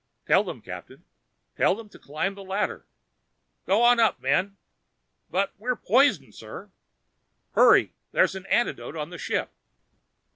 "Tell them, Captain, tell them to climb the ladder." "Go on up, men." "But we're poisoned, sir!" "Hurry! There's an antidote in the ship."